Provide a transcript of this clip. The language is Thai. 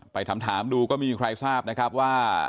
ไปถามดูก็ไม่มีใครทราบนะครับว่า